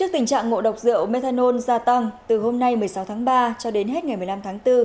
tình trạng ngộ độc rượu methanol gia tăng từ hôm nay một mươi sáu tháng ba cho đến hết ngày một mươi năm tháng bốn